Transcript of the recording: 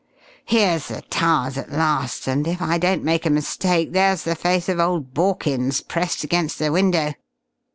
Here's the Towers at last, and if I don't make a mistake, there's the face of old Borkins pressed against the window!"